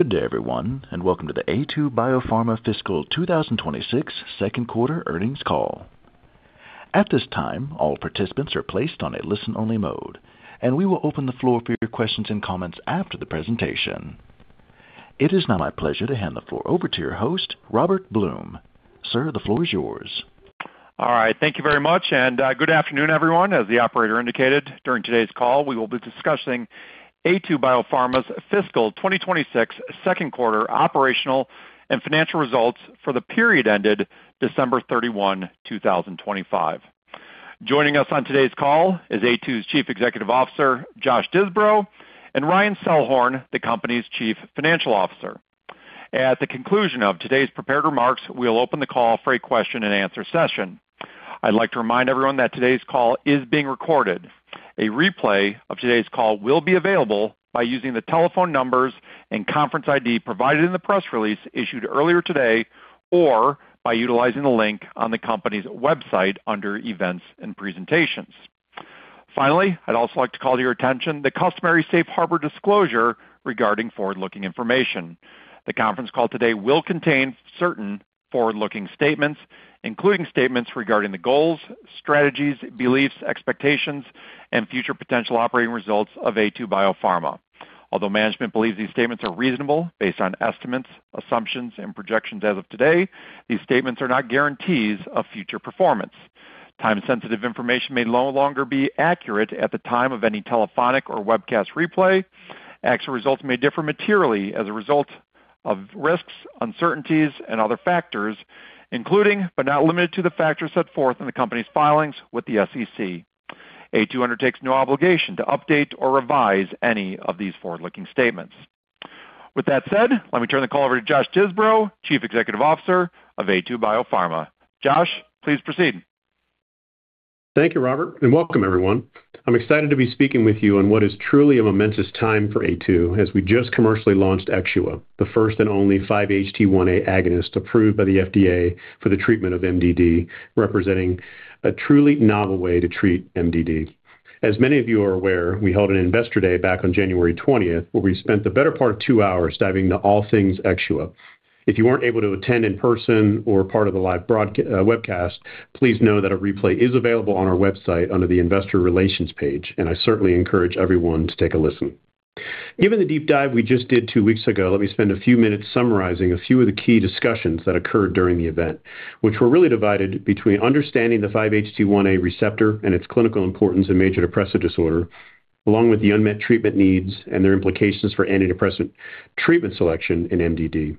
Good day, everyone, and welcome to the Aytu BioPharma Fiscal 2026 second quarter earnings call. At this time, all participants are placed on a listen-only mode, and we will open the floor for your questions and comments after the presentation. It is now my pleasure to hand the floor over to your host, Robert Blum. Sir, the floor is yours. All right. Thank you very much, and, good afternoon, everyone. As the operator indicated, during today's call, we will be discussing Aytu BioPharma's fiscal 2026 second quarter operational and financial results for the period ended December 31, 2025. Joining us on today's call is Aytu's Chief Executive Officer, Josh Disbrow, and Ryan Selhorn, the company's Chief Financial Officer. At the conclusion of today's prepared remarks, we'll open the call for a question-and-answer session. I'd like to remind everyone that today's call is being recorded. A replay of today's call will be available by using the telephone numbers and conference ID provided in the press release issued earlier today, or by utilizing the link on the company's website under Events and Presentations. Finally, I'd also like to call to your attention the customary safe harbor disclosure regarding forward-looking information. The conference call today will contain certain forward-looking statements, including statements regarding the goals, strategies, beliefs, expectations, and future potential operating results of Aytu BioPharma. Although management believes these statements are reasonable based on estimates, assumptions, and projections as of today, these statements are not guarantees of future performance. Time-sensitive information may no longer be accurate at the time of any telephonic or webcast replay. Actual results may differ materially as a result of risks, uncertainties, and other factors, including, but not limited to, the factors set forth in the company's filings with the SEC. Aytu undertakes no obligation to update or revise any of these forward-looking statements. With that said, let me turn the call over to Josh Disbrow, Chief Executive Officer of Aytu BioPharma. Josh, please proceed. Thank you, Robert, and welcome, everyone. I'm excited to be speaking with you on what is truly a momentous time for Aytu as we just commercially launched Exxua, the first and only 5-HT1A agonist approved by the FDA for the treatment of MDD, representing a truly novel way to treat MDD. As many of you are aware, we held an Investor Day back on January 20, where we spent the better part of 2 hours diving into all things Exxua. If you weren't able to attend in person or part of the live webcast, please know that a replay is available on our website under the Investor Relations page, and I certainly encourage everyone to take a listen. Given the deep dive we just did two weeks ago, let me spend a few minutes summarizing a few of the key discussions that occurred during the event, which were really divided between understanding the 5-HT1A receptor and its clinical importance in major depressive disorder, along with the unmet treatment needs and their implications for antidepressant treatment selection in MDD.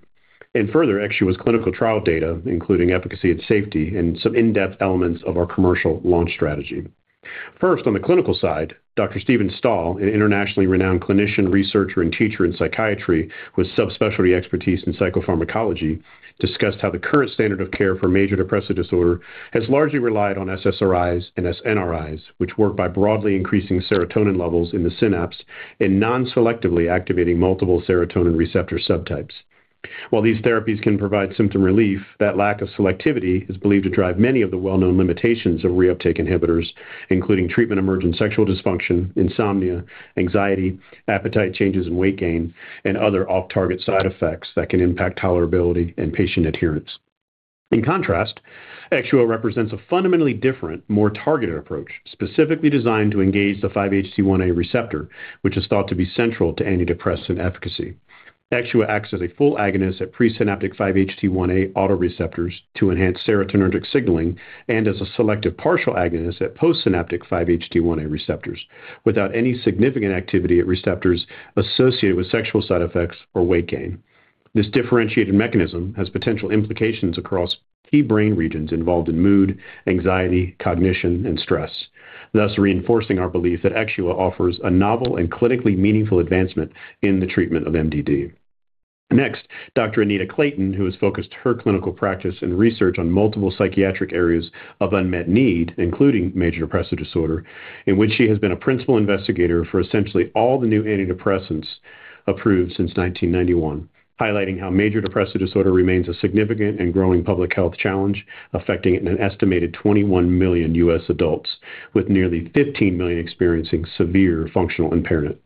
Further, Exxua's clinical trial data, including efficacy and safety, and some in-depth elements of our commercial launch strategy. First, on the clinical side, Dr. Stephen Stahl, an internationally renowned clinician, researcher, and teacher in psychiatry with subspecialty expertise in psychopharmacology, discussed how the current standard of care for major depressive disorder has largely relied on SSRIs and SNRIs, which work by broadly increasing serotonin levels in the synapse and non-selectively activating multiple serotonin receptor subtypes. While these therapies can provide symptom relief, that lack of selectivity is believed to drive many of the well-known limitations of reuptake inhibitors, including treatment-emergent sexual dysfunction, insomnia, anxiety, appetite changes and weight gain, and other off-target side effects that can impact tolerability and patient adherence. In contrast, Exxua represents a fundamentally different, more targeted approach, specifically designed to engage the 5-HT1A receptor, which is thought to be central to antidepressant efficacy. Exxua acts as a full agonist at presynaptic 5-HT1A auto receptors to enhance serotonergic signaling and as a selective partial agonist at postsynaptic 5-HT1A receptors, without any significant activity at receptors associated with sexual side effects or weight gain. This differentiated mechanism has potential implications across key brain regions involved in mood, anxiety, cognition, and stress, thus reinforcing our belief that Exxua offers a novel and clinically meaningful advancement in the treatment of MDD. Next, Dr. Anita Clayton, who has focused her clinical practice and research on multiple psychiatric areas of unmet need, including major depressive disorder, in which she has been a principal investigator for essentially all the new antidepressants approved since 1991, highlighting how major depressive disorder remains a significant and growing public health challenge, affecting an estimated 21 million U.S. adults, with nearly 15 million experiencing severe functional impairment.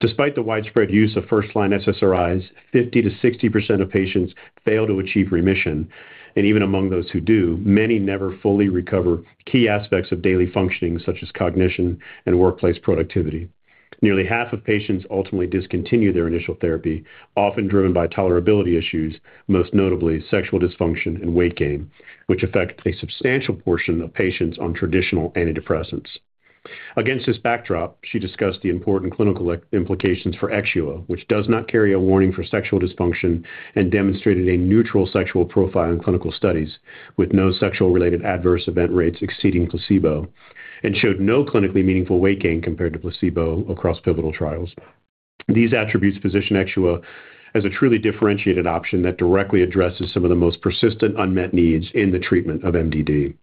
Despite the widespread use of first-line SSRIs, 50%-60% of patients fail to achieve remission, and even among those who do, many never fully recover key aspects of daily functioning, such as cognition and workplace productivity. Nearly half of patients ultimately discontinue their initial therapy, often driven by tolerability issues, most notably sexual dysfunction and weight gain, which affect a substantial portion of patients on traditional antidepressants. Against this backdrop, she discussed the important clinical implications for Exxua, which does not carry a warning for sexual dysfunction and demonstrated a neutral sexual profile in clinical studies with no sexual-related adverse event rates exceeding placebo and showed no clinically meaningful weight gain compared to placebo across pivotal trials. These attributes position Exxua as a truly differentiated option that directly addresses some of the most persistent unmet needs in the treatment of MDD.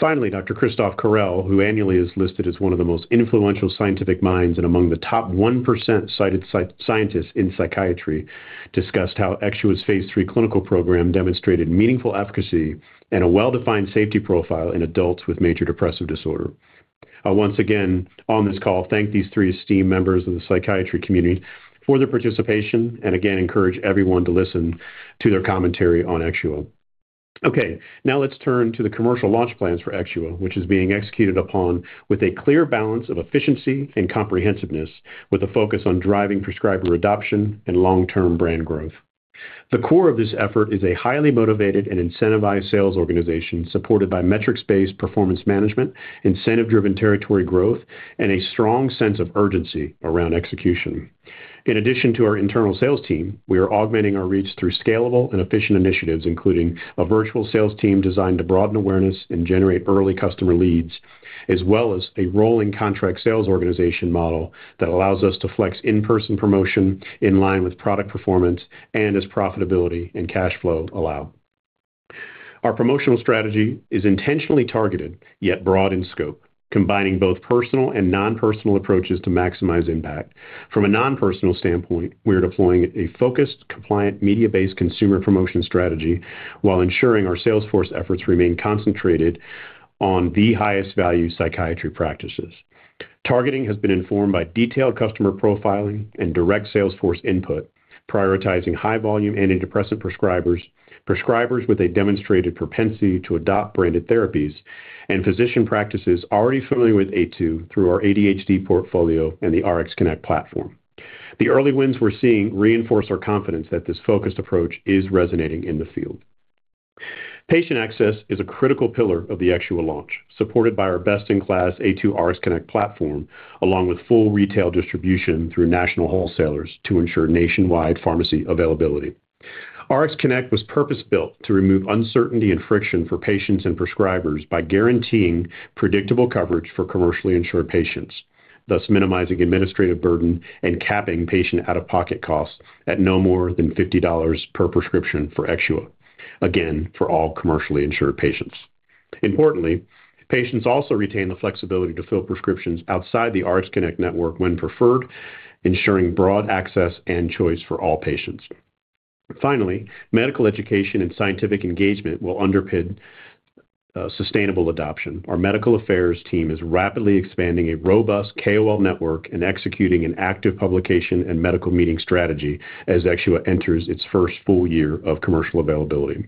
Finally, Dr. Christoph Correll, who annually is listed as one of the most influential scientific minds and among the top 1% cited scientists in psychiatry, discussed how Exxua's Phase 3 clinical program demonstrated meaningful efficacy and a well-defined safety profile in adults with major depressive disorder. I once again, on this call, thank these three esteemed members of the psychiatry community for their participation and again, encourage everyone to listen to their commentary on Exxua.... Okay, now let's turn to the commercial launch plans for Exxua, which is being executed upon with a clear balance of efficiency and comprehensiveness, with a focus on driving prescriber adoption and long-term brand growth. The core of this effort is a highly motivated and incentivized sales organization, supported by metrics-based performance management, incentive-driven territory growth, and a strong sense of urgency around execution. In addition to our internal sales team, we are augmenting our reach through scalable and efficient initiatives, including a virtual sales team designed to broaden awareness and generate early customer leads, as well as a rolling contract sales organization model that allows us to flex in-person promotion in line with product performance and as profitability and cash flow allow. Our promotional strategy is intentionally targeted, yet broad in scope, combining both personal and non-personal approaches to maximize impact. From a non-personal standpoint, we are deploying a focused, compliant, media-based consumer promotion strategy while ensuring our sales force efforts remain concentrated on the highest value psychiatry practices. Targeting has been informed by detailed customer profiling and direct sales force input, prioritizing high volume antidepressant prescribers, prescribers with a demonstrated propensity to adopt branded therapies, and physician practices already familiar with Aytu through our ADHD portfolio and the RxConnect platform. The early wins we're seeing reinforce our confidence that this focused approach is resonating in the field. Patient access is a critical pillar of the Exxua launch, supported by our best-in-class Aytu RxConnect platform, along with full retail distribution through national wholesalers to ensure nationwide pharmacy availability. RxConnect was purpose-built to remove uncertainty and friction for patients and prescribers by guaranteeing predictable coverage for commercially insured patients, thus minimizing administrative burden and capping patient out-of-pocket costs at no more than $50 per prescription for Exxua. Again, for all commercially insured patients. Importantly, patients also retain the flexibility to fill prescriptions outside the RxConnect network when preferred, ensuring broad access and choice for all patients. Finally, medical education and scientific engagement will underpin sustainable adoption. Our medical affairs team is rapidly expanding a robust KOL network and executing an active publication and medical meeting strategy as Exxua enters its first full year of commercial availability.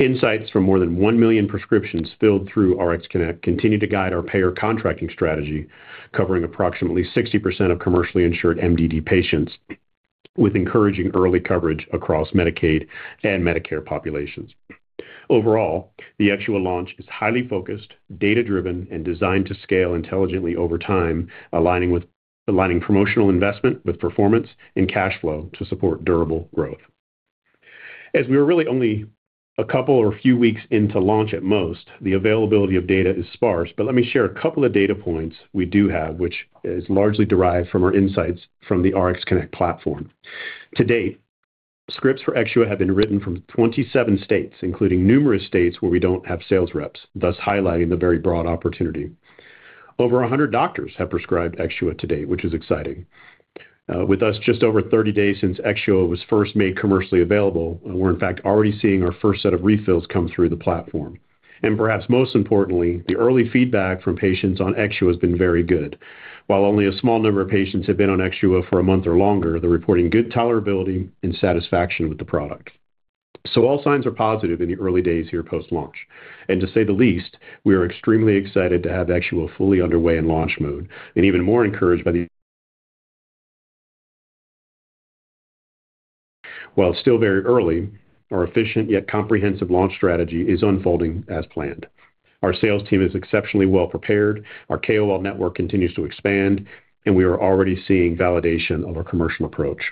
Insights from more than 1 million prescriptions filled through RxConnect continue to guide our payer contracting strategy, covering approximately 60% of commercially insured MDD patients, with encouraging early coverage across Medicaid and Medicare populations. Overall, the Exxua launch is highly focused, data-driven, and designed to scale intelligently over time, aligning promotional investment with performance and cash flow to support durable growth. As we are really only a couple or few weeks into launch at most, the availability of data is sparse. But let me share a couple of data points we do have, which is largely derived from our insights from the RxConnect platform. To date, scripts for Exxua have been written from 27 states, including numerous states where we don't have sales reps, thus highlighting the very broad opportunity. Over 100 doctors have prescribed Exxua to date, which is exciting. With us just over 30 days since Exxua was first made commercially available, and we're in fact, already seeing our first set of refills come through the platform. And perhaps most importantly, the early feedback from patients on Exxua has been very good. While only a small number of patients have been on Exxua for a month or longer, they're reporting good tolerability and satisfaction with the product. So all signs are positive in the early days here post-launch, and to say the least, we are extremely excited to have Exxua fully underway in launch mode and even more encouraged by the... While it's still very early, our efficient yet comprehensive launch strategy is unfolding as planned. Our sales team is exceptionally well prepared, our KOL network continues to expand, and we are already seeing validation of our commercial approach.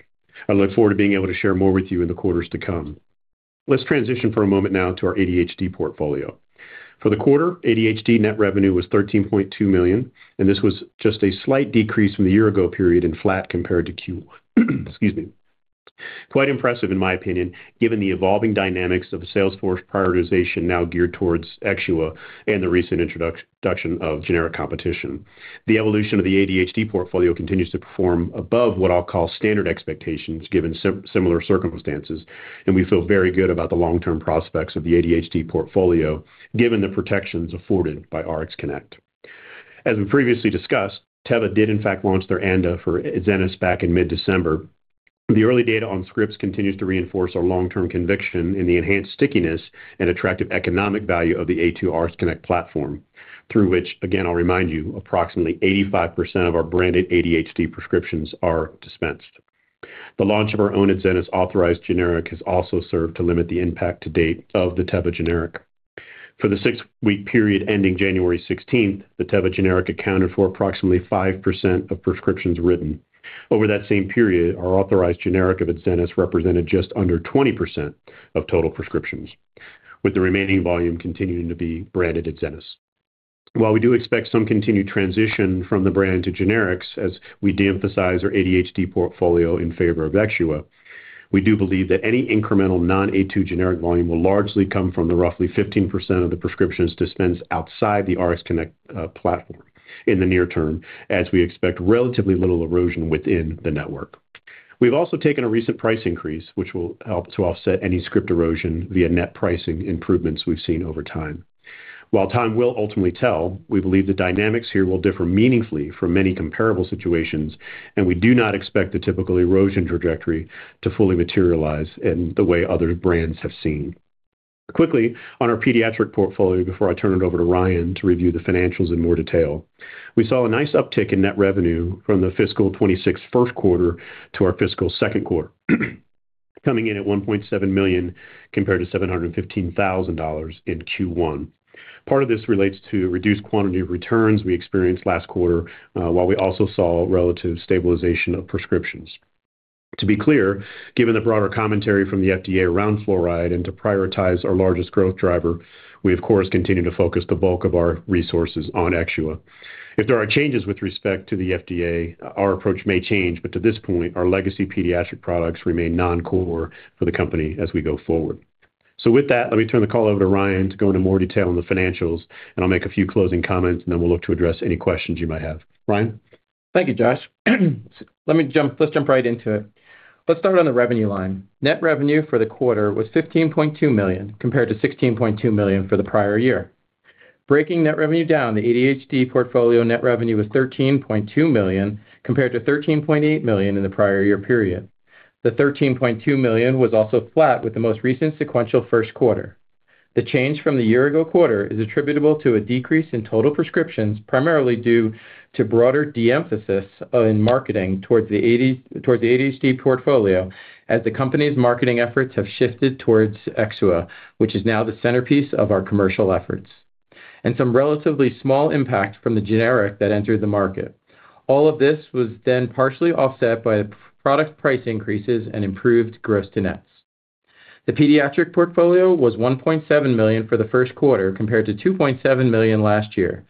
I look forward to being able to share more with you in the quarters to come. Let's transition for a moment now to our ADHD portfolio. For the quarter, ADHD net revenue was $13.2 million, and this was just a slight decrease from the year ago period and flat compared to Q1. Excuse me. Quite impressive, in my opinion, given the evolving dynamics of the sales force prioritization now geared towards Exxua and the recent introduction of generic competition. The evolution of the ADHD portfolio continues to perform above what I'll call standard expectations, given similar circumstances, and we feel very good about the long-term prospects of the ADHD portfolio, given the protections afforded by RxConnect. As we previously discussed, Teva did in fact launch their ANDA for Adzenys back in mid-December. The early data on scripts continues to reinforce our long-term conviction in the enhanced stickiness and attractive economic value of the Aytu RxConnect platform, through which, again, I'll remind you, approximately 85% of our branded ADHD prescriptions are dispensed. The launch of our own Adzenys authorized generic has also served to limit the impact to date of the Teva generic. For the six-week period ending January sixteenth, the Teva generic accounted for approximately 5% of prescriptions written. Over that same period, our authorized generic of Adzenys represented just under 20% of total prescriptions, with the remaining volume continuing to be branded Adzenys. While we do expect some continued transition from the brand to generics as we de-emphasize our ADHD portfolio in favor of Exxua, we do believe that any incremental non-Aytu generic volume will largely come from the roughly 15% of the prescriptions dispensed outside the RxConnect platform in the near term, as we expect relatively little erosion within the network. We've also taken a recent price increase, which will help to offset any script erosion via net pricing improvements we've seen over time. While time will ultimately tell, we believe the dynamics here will differ meaningfully from many comparable situations, and we do not expect the typical erosion trajectory to fully materialize in the way other brands have seen. Quickly, on our pediatric portfolio, before I turn it over to Ryan to review the financials in more detail, we saw a nice uptick in net revenue from the fiscal 2026 first quarter to our fiscal second quarter, coming in at $1.7 million, compared to $715,000 in Q1. Part of this relates to reduced quantity of returns we experienced last quarter, while we also saw relative stabilization of prescriptions. To be clear, given the broader commentary from the FDA around fluoride and to prioritize our largest growth driver, we of course continue to focus the bulk of our resources on Exxua. If there are changes with respect to the FDA, our approach may change, but to this point, our legacy pediatric products remain non-core for the company as we go forward. With that, let me turn the call over to Ryan to go into more detail on the financials, and I'll make a few closing comments, and then we'll look to address any questions you might have. Ryan? Thank you, Josh. Let's jump right into it. Let's start on the revenue line. Net revenue for the quarter was $15.2 million, compared to $16.2 million for the prior year. Breaking net revenue down, the ADHD portfolio net revenue was $13.2 million, compared to $13.8 million in the prior year period. The $13.2 million was also flat with the most recent sequential first quarter. The change from the year-ago quarter is attributable to a decrease in total prescriptions, primarily due to broader de-emphasis in marketing towards the ADHD portfolio, as the company's marketing efforts have shifted towards Exxua, which is now the centerpiece of our commercial efforts, and some relatively small impact from the generic that entered the market. All of this was then partially offset by product price increases and improved gross to nets. The pediatric portfolio was $1.7 million for the first quarter, compared to $2.7 million last year.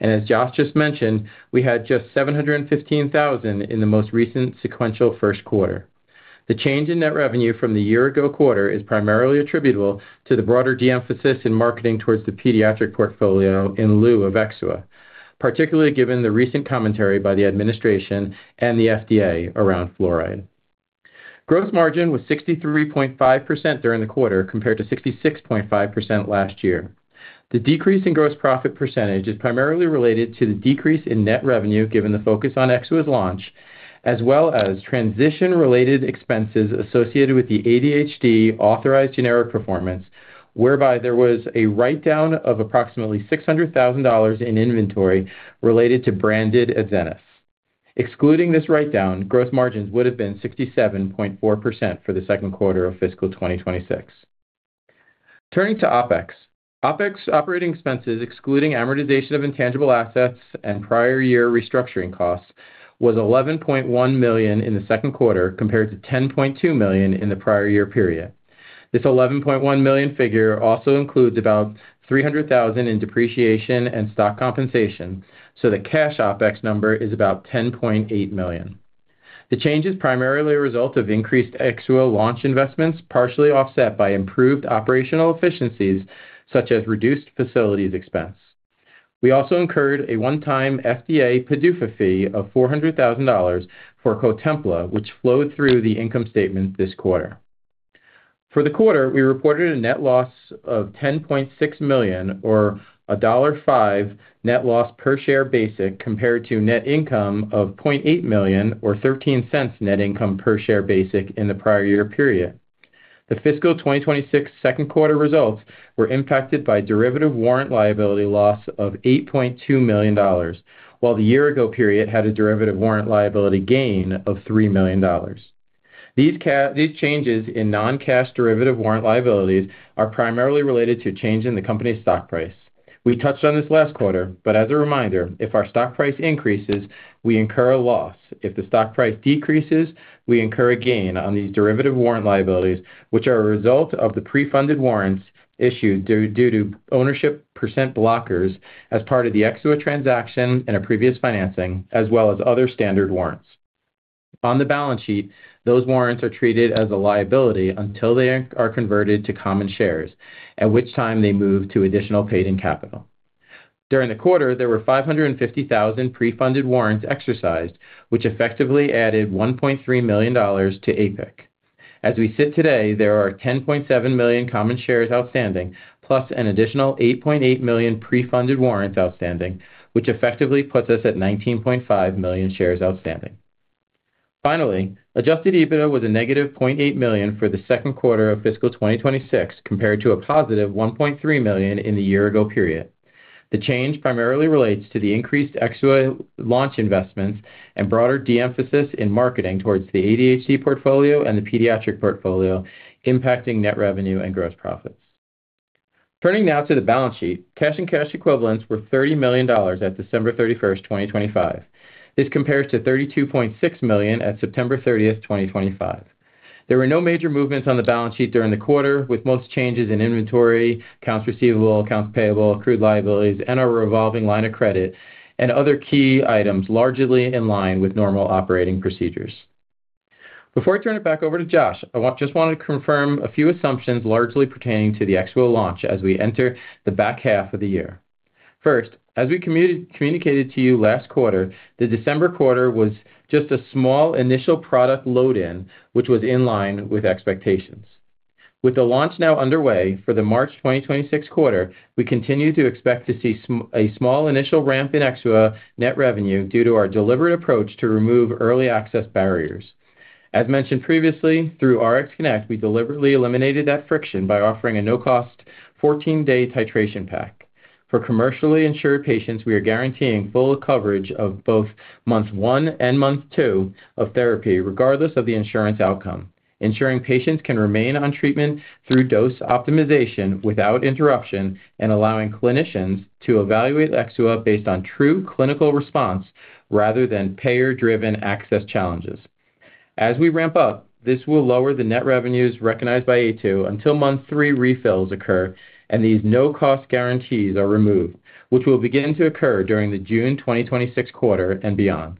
As Josh just mentioned, we had just $715,000 in the most recent sequential first quarter. The change in net revenue from the year-ago quarter is primarily attributable to the broader de-emphasis in marketing towards the pediatric portfolio in lieu of Exxua, particularly given the recent commentary by the administration and the FDA around fluoride. Gross margin was 63.5% during the quarter, compared to 66.5% last year. The decrease in gross profit percentage is primarily related to the decrease in net revenue, given the focus on Exxua's launch, as well as transition-related expenses associated with the ADHD authorized generic performance, whereby there was a write-down of approximately $600,000 in inventory related to branded Adzenys. Excluding this write-down, gross margins would have been 67.4% for the second quarter of fiscal 2026. Turning to OpEx. OpEx operating expenses, excluding amortization of intangible assets and prior year restructuring costs, was $11.1 million in the second quarter, compared to $10.2 million in the prior year period. This $11.1 million figure also includes about $300,000 in depreciation and stock compensation, so the cash OpEx number is about $10.8 million. The change is primarily a result of increased Exxua launch investments, partially offset by improved operational efficiencies, such as reduced facilities expense. We also incurred a one-time FDA PDUFA fee of $400,000 for Cotempla, which flowed through the income statement this quarter. For the quarter, we reported a net loss of $10.6 million or $5 net loss per share basic, compared to net income of $0.8 million or $0.13 net income per share basic in the prior year period. The fiscal 2026 second quarter results were impacted by derivative warrant liability loss of $8.2 million, while the year-ago period had a derivative warrant liability gain of $3 million. These changes in non-cash derivative warrant liabilities are primarily related to change in the company's stock price. We touched on this last quarter, but as a reminder, if our stock price increases, we incur a loss. If the stock price decreases, we incur a gain on these derivative warrant liabilities, which are a result of the pre-funded warrants issued due to ownership percent blockers as part of the Exxua transaction in a previous financing, as well as other standard warrants. On the balance sheet, those warrants are treated as a liability until they are converted to common shares, at which time they move to additional paid-in capital. During the quarter, there were 550,000 pre-funded warrants exercised, which effectively added $1.3 million to APIC. As we sit today, there are 10.7 million common shares outstanding, plus an additional 8.8 million pre-funded warrants outstanding, which effectively puts us at 19.5 million shares outstanding. Finally, adjusted EBITDA was -$0.8 million for the second quarter of fiscal 2026, compared to $1.3 million in the year-ago period. The change primarily relates to the increased Exxua launch investments and broader de-emphasis in marketing towards the ADHD portfolio and the pediatric portfolio, impacting net revenue and gross profits. Turning now to the balance sheet. Cash and cash equivalents were $30 million at December 31, 2025. This compares to $32.6 million at September 30, 2025. There were no major movements on the balance sheet during the quarter, with most changes in inventory, accounts receivable, accounts payable, accrued liabilities, and our revolving line of credit, and other key items largely in line with normal operating procedures. Before I turn it back over to Josh, I wanted to confirm a few assumptions, largely pertaining to the Exxua launch as we enter the back half of the year. First, as we communicated to you last quarter, the December quarter was just a small initial product load in, which was in line with expectations. With the launch now underway for the March 2026 quarter, we continue to expect to see a small initial ramp in Exxua net revenue due to our deliberate approach to remove early access barriers. As mentioned previously, through RxConnect, we deliberately eliminated that friction by offering a no-cost 14-day titration pack. For commercially insured patients, we are guaranteeing full coverage of both months 1 and month 2 of therapy, regardless of the insurance outcome, ensuring patients can remain on treatment through dose optimization without interruption and allowing clinicians to evaluate Exxua based on true clinical response rather than payer-driven access challenges. As we ramp up, this will lower the net revenues recognized by Aytu until month 3 refills occur and these no-cost guarantees are removed, which will begin to occur during the June 2026 quarter and beyond.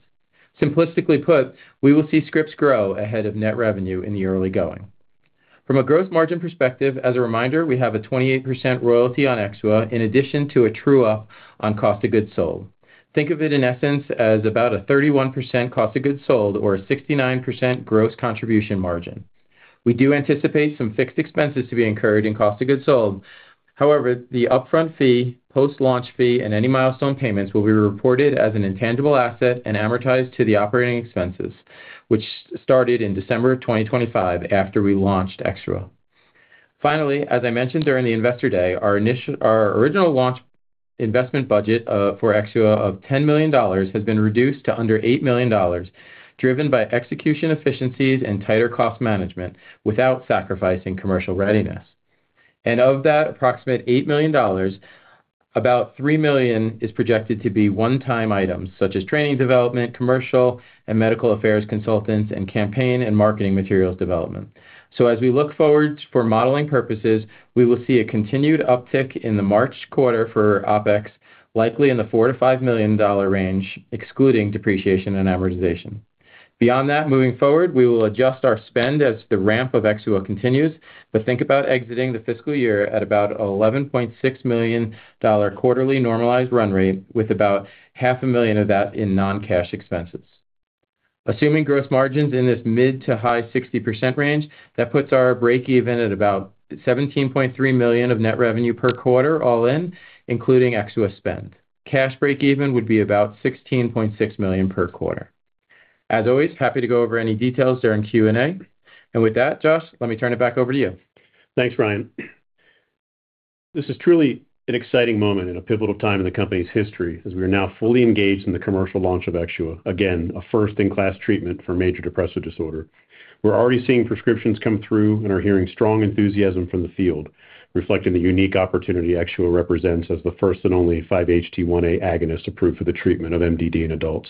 Simplistically put, we will see scripts grow ahead of net revenue in the early going. From a growth margin perspective, as a reminder, we have a 28% royalty on Exxua in addition to a true-up on cost of goods sold. Think of it, in essence, as about a 31% cost of goods sold or a 69% gross contribution margin. We do anticipate some fixed expenses to be incurred in cost of goods sold. However, the upfront fee, post-launch fee, and any milestone payments will be reported as an intangible asset and amortized to the operating expenses, which started in December 2025, after we launched Exxua. Finally, as I mentioned during the Investor Day, our original launch investment budget for Exxua of $10 million has been reduced to under $8 million, driven by execution efficiencies and tighter cost management without sacrificing commercial readiness. And of that approximate $8 million, about $3 million is projected to be one-time items such as training, development, commercial and medical affairs, consultants, and campaign and marketing materials development. So as we look forward for modeling purposes, we will see a continued uptick in the March quarter for OpEx, likely in the $4-$5 million range, excluding depreciation and amortization. Beyond that, moving forward, we will adjust our spend as the ramp of Exxua continues, but think about exiting the fiscal year at about $11.6 million quarterly normalized run rate, with about $500,000 of that in non-cash expenses. Assuming gross margins in this mid- to high-60% range, that puts our breakeven at about $17.3 million of net revenue per quarter, all in, including Exxua spend. Cash breakeven would be about $16.6 million per quarter. As always, happy to go over any details during Q&A. And with that, Josh, let me turn it back over to you. Thanks, Ryan. This is truly an exciting moment and a pivotal time in the company's history, as we are now fully engaged in the commercial launch of Exxua. Again, a first-in-class treatment for major depressive disorder. We're already seeing prescriptions come through and are hearing strong enthusiasm from the field, reflecting the unique opportunity Exxua represents as the first and only 5-HT1A agonist approved for the treatment of MDD in adults,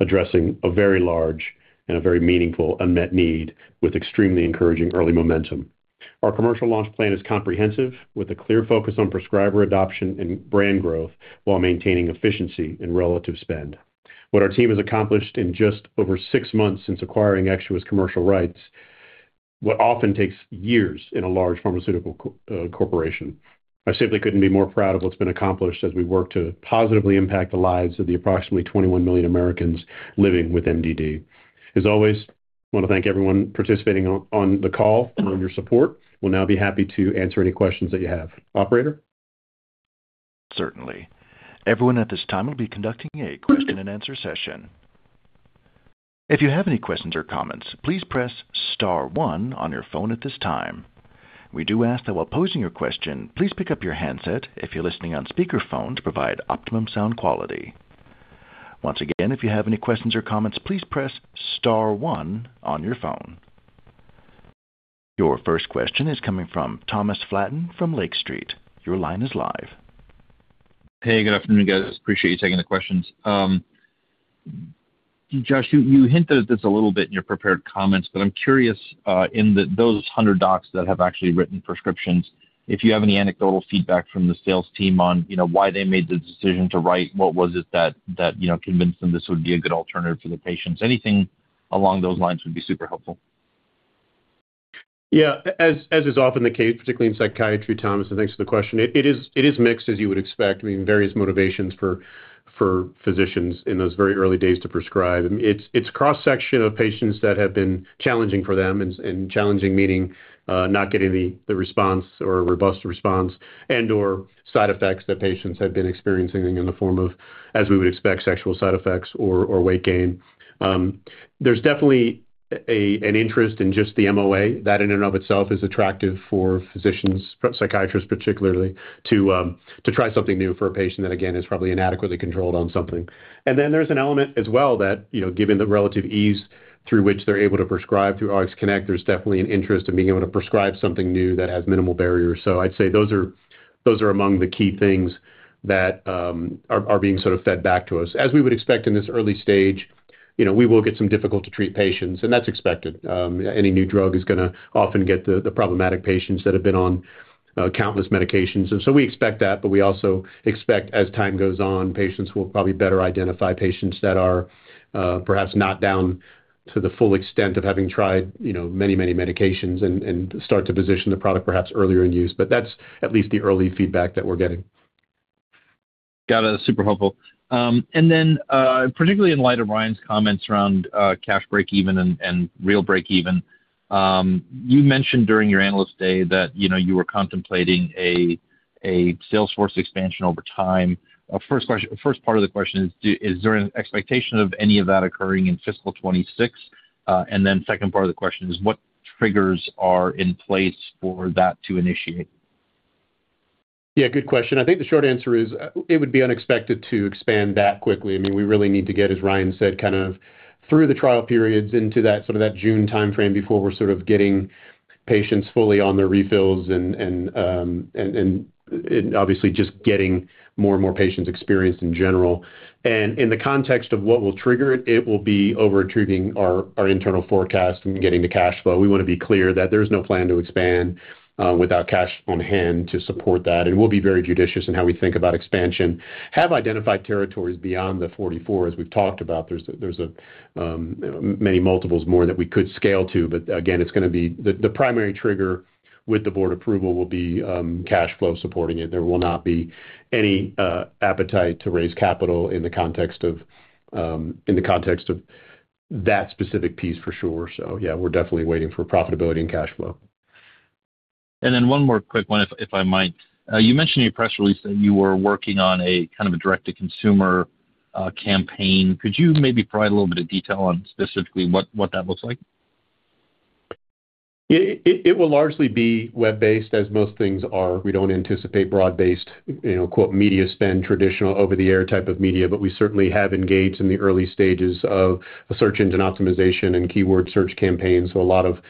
addressing a very large and a very meaningful unmet need with extremely encouraging early momentum. Our commercial launch plan is comprehensive, with a clear focus on prescriber adoption and brand growth while maintaining efficiency and relative spend. What our team has accomplished in just over six months since acquiring Exxua's commercial rights, what often takes years in a large pharmaceutical corporation. I simply couldn't be more proud of what's been accomplished as we work to positively impact the lives of the approximately 21 million Americans living with MDD. As always, I want to thank everyone participating on the call for all your support. We'll now be happy to answer any questions that you have. Operator? Certainly. Everyone at this time will be conducting a question and answer session. If you have any questions or comments, please press star one on your phone at this time. We do ask that while posing your question, please pick up your handset if you're listening on speakerphone to provide optimum sound quality. Once again, if you have any questions or comments, please press star one on your phone. Your first question is coming from Thomas Flaten from Lake Street. Your line is live. Hey, good afternoon, guys. Appreciate you taking the questions. Josh, you, you hinted at this a little bit in your prepared comments, but I'm curious, in those 100 docs that have actually written prescriptions, if you have any anecdotal feedback from the sales team on, you know, why they made the decision to write? What was it that, that, you know, convinced them this would be a good alternative for the patients? Anything along those lines would be super helpful. Yeah. As is often the case, particularly in psychiatry, Thomas, and thanks for the question. It is mixed, as you would expect, I mean, various motivations for physicians in those very early days to prescribe. It's a cross-section of patients that have been challenging for them and challenging, meaning not getting the response or robust response and/or side effects that patients have been experiencing in the form of, as we would expect, sexual side effects or weight gain. There's definitely an interest in just the MOA. That in and of itself is attractive for physicians, psychiatrists particularly, to try something new for a patient that, again, is probably inadequately controlled on something. And then there's an element as well that, you know, given the relative ease through which they're able to prescribe through RxConnect, there's definitely an interest in being able to prescribe something new that has minimal barriers. So I'd say those are among the key things that are being sort of fed back to us. As we would expect in this early stage, you know, we will get some difficult-to-treat patients, and that's expected. Any new drug is gonna often get the problematic patients that have been on countless medications, and so we expect that, but we also expect as time goes on, patients will probably better identify patients that are perhaps not down to the full extent of having tried, you know, many, many medications and start to position the product perhaps earlier in use. But that's at least the early feedback that we're getting.... Got it. Super helpful. And then, particularly in light of Ryan's comments around, cash breakeven and, and real breakeven, you mentioned during your Analyst Day that, you know, you were contemplating a sales force expansion over time. First question, first part of the question is, is there an expectation of any of that occurring in fiscal 2026? And then second part of the question is, what triggers are in place for that to initiate? Yeah, good question. I think the short answer is, it would be unexpected to expand that quickly. I mean, we really need to get, as Ryan said, kind of through the trial periods into that sort of June timeframe before we're sort of getting patients fully on their refills and obviously just getting more and more patients experienced in general. And in the context of what will trigger it, it will be overachieving our internal forecast and getting the cash flow. We want to be clear that there's no plan to expand without cash on hand to support that, and we'll be very judicious in how we think about expansion. Have identified territories beyond the 44, as we've talked about. There's many multiples more that we could scale to, but again, it's gonna be... The primary trigger with the board approval will be cash flow supporting it. There will not be any appetite to raise capital in the context of that specific piece for sure. So yeah, we're definitely waiting for profitability and cash flow. And then one more quick one, if I might. You mentioned in your press release that you were working on a kind of a direct-to-consumer campaign. Could you maybe provide a little bit of detail on specifically what that looks like? It will largely be web-based, as most things are. We don't anticipate broad-based, you know, quote, "media spend," traditional over-the-air type of media, but we certainly have engaged in the early stages of a search engine optimization and keyword search campaign. So a lot of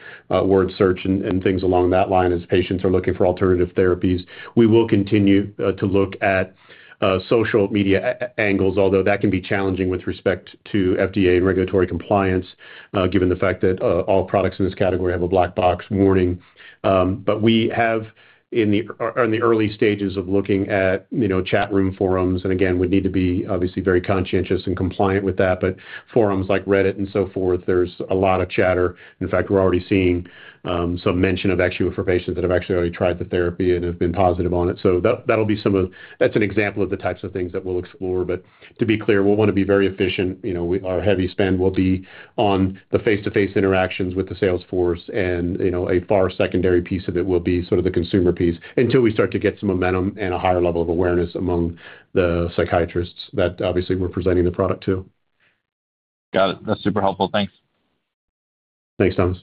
word search and things along that line as patients are looking for alternative therapies. We will continue to look at social media angles, although that can be challenging with respect to FDA and regulatory compliance, given the fact that all products in this category have a black box warning. But we are in the early stages of looking at, you know, chat room forums, and again, would need to be obviously very conscientious and compliant with that. But forums like Reddit and so forth, there's a lot of chatter. In fact, we're already seeing, some mention of actually for patients that have actually already tried the therapy and have been positive on it. So that, that'll be some of... That's an example of the types of things that we'll explore. But to be clear, we'll want to be very efficient. You know, our heavy spend will be on the face-to-face interactions with the sales force and, you know, a far secondary piece of it will be sort of the consumer piece until we start to get some momentum and a higher level of awareness among the psychiatrists that obviously we're presenting the product to. Got it. That's super helpful. Thanks. Thanks, Thomas.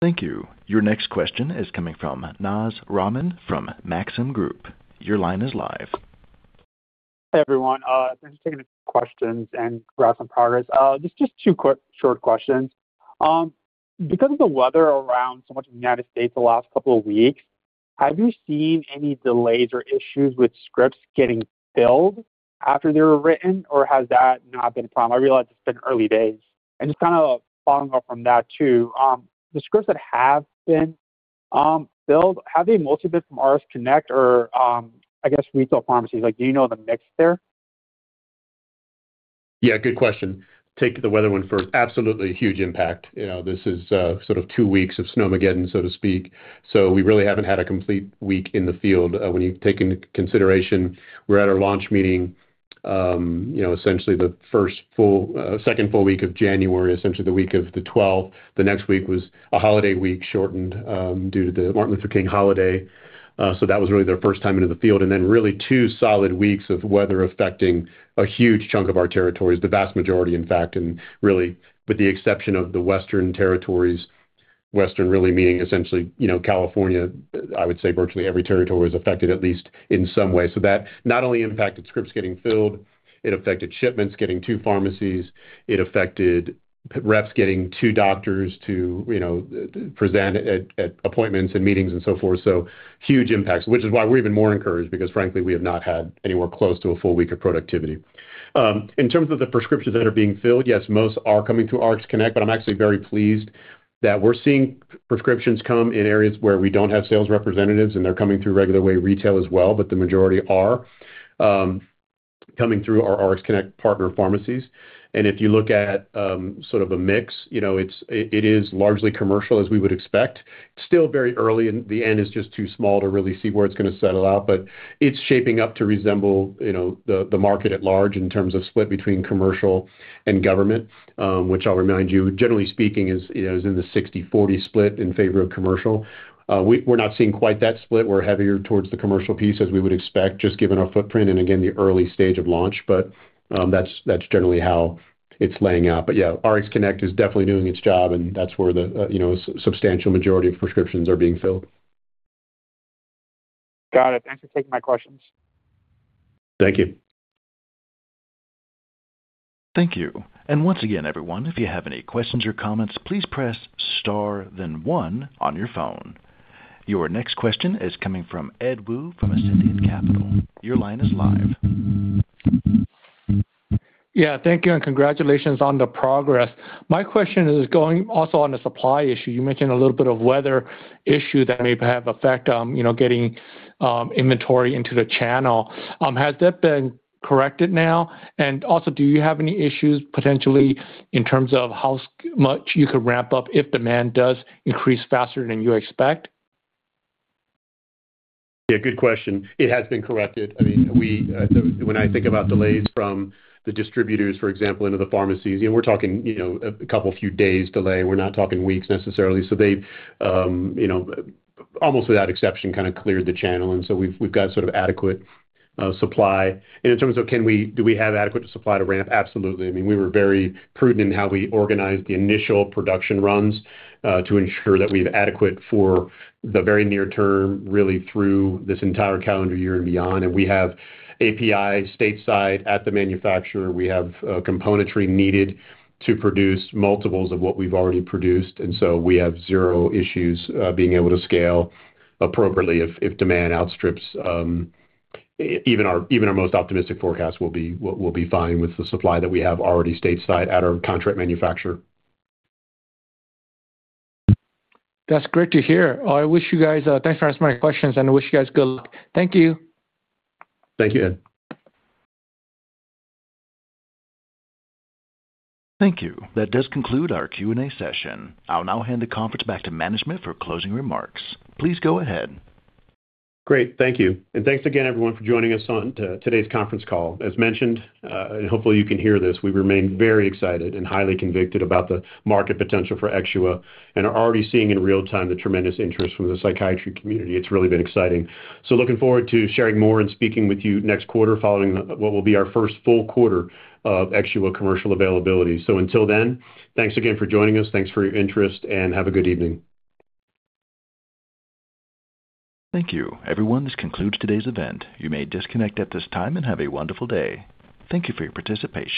Thank you. Your next question is coming from Naz Rahman from Maxim Group. Your line is live. Hey, everyone. Thanks for taking the questions and progress on progress. Just, just two quick, short questions. Because of the weather around so much of the United States the last couple of weeks, have you seen any delays or issues with scripts getting filled after they were written, or has that not been a problem? I realize it's been early days. And just kind of following up from that, too, the scripts that have been filled, have they mostly been from RxConnect or, I guess, retail pharmacies? Like, do you know the mix there? Yeah, good question. Take the weather one first. Absolutely, huge impact. You know, this is, sort of two weeks of snowmageddon, so to speak, so we really haven't had a complete week in the field. When you take into consideration, we're at our launch meeting, you know, essentially the first full, second full week of January, essentially the week of the 12th. The next week was a holiday week, shortened, due to the Martin Luther King holiday. So that was really their first time into the field, and then really two solid weeks of weather affecting a huge chunk of our territories, the vast majority, in fact, and really, with the exception of the western territories, western really meaning essentially, you know, California, I would say virtually every territory was affected, at least in some way. So that not only impacted scripts getting filled, it affected shipments getting to pharmacies, it affected reps getting to doctors to, you know, present at appointments and meetings and so forth. So huge impacts, which is why we're even more encouraged, because frankly, we have not had anywhere close to a full week of productivity. In terms of the prescriptions that are being filled, yes, most are coming through RxConnect, but I'm actually very pleased that we're seeing prescriptions come in areas where we don't have sales representatives, and they're coming through regular way retail as well. But the majority are coming through our RxConnect partner pharmacies. And if you look at sort of a mix, you know, it is largely commercial, as we would expect. Still very early, and the end is just too small to really see where it's gonna settle out, but it's shaping up to resemble, you know, the market at large in terms of split between commercial and government, which I'll remind you, generally speaking, is, you know, is in the 60/40 split in favor of commercial. We're not seeing quite that split. We're heavier towards the commercial piece, as we would expect, just given our footprint and again, the early stage of launch. But that's generally how it's laying out. But yeah, RxConnect is definitely doing its job, and that's where the, you know, substantial majority of prescriptions are being filled. Got it. Thanks for taking my questions. Thank you. Thank you. Once again, everyone, if you have any questions or comments, please press Star, then one on your phone. Your next question is coming from Ed Wu from Ascendiant Capital. Your line is live. Yeah. Thank you and congratulations on the progress. My question is going also on the supply issue. You mentioned a little bit of weather issue that may have effect on, you know, getting inventory into the channel. Has that been corrected now? And also, do you have any issues potentially in terms of how much you could ramp up if demand does increase faster than you expect? Yeah, good question. It has been corrected. I mean, we, when I think about delays from the distributors, for example, into the pharmacies, you know, we're talking, you know, a couple few days delay. We're not talking weeks necessarily. So they've, you know, almost without exception, kind of cleared the channel, and so we've, we've got sort of adequate, supply. And in terms of do we have adequate supply to ramp? Absolutely. I mean, we were very prudent in how we organized the initial production runs, to ensure that we have adequate for the very near term, really through this entire calendar year and beyond. And we have API stateside at the manufacturer. We have, componentry needed to produce multiples of what we've already produced, and so we have zero issues, being able to scale appropriately if demand outstrips... Even our most optimistic forecast, we'll be fine with the supply that we have already stateside at our contract manufacturer. That's great to hear. I wish you guys thanks for answering my questions, and I wish you guys good luck. Thank you. Thank you, Ed. Thank you. That does conclude our Q&A session. I'll now hand the conference back to management for closing remarks. Please go ahead. Great, thank you. Thanks again, everyone, for joining us on today's conference call. As mentioned, and hopefully you can hear this, we remain very excited and highly convicted about the market potential for Exxua and are already seeing in real time the tremendous interest from the psychiatry community. It's really been exciting. Looking forward to sharing more and speaking with you next quarter, following what will be our first full quarter of Exxua commercial availability. Until then, thanks again for joining us. Thanks for your interest, and have a good evening. Thank you, everyone. This concludes today's event. You may disconnect at this time and have a wonderful day. Thank you for your participation.